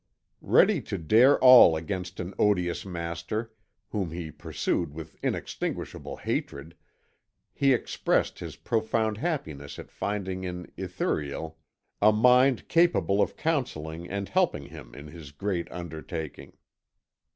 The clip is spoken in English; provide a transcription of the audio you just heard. Ready to dare all against an odious master, whom he pursued with inextinguishable hatred, he expressed his profound happiness at finding in Ithuriel a mind capable of counselling and helping him in his great undertaking.